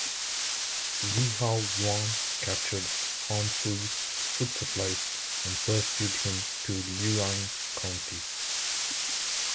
Xiahou Yuan captured Han Sui's food supplies and pursued him to Lueyang County.